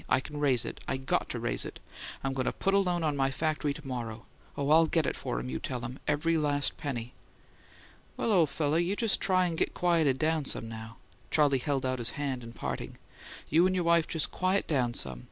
I can raise it I GOT to raise it! I'm going to put a loan on my factory to morrow. Oh, I'll get it for him, you tell him! Every last penny!" "Well, ole feller, you just try and get quieted down some now." Charley held out his hand in parting. "You and your wife just quiet down some.